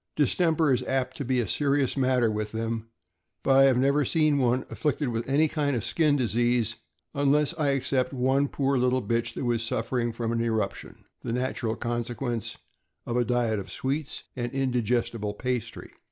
Distemper is apt to be a serious matter with them, but I have never seen one afflicted with any kind of skin disease, unless I except one poor little bitch that was suffering from an eruption, the natural consequence of a diet of sweets and indigesti ble pastry.